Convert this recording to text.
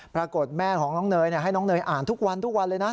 ปรากฏแม่ของน้องเนยให้น้องเนยอ่านทุกวันทุกวันเลยนะ